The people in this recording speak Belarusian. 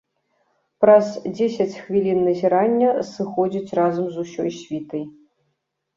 Праз дзесяць хвілін назірання сыходзіць разам з усёй світай.